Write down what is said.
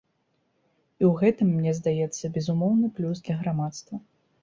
І ў гэтым, мне здаецца, безумоўны плюс для грамадства.